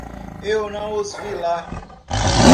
Eu não os vi lá.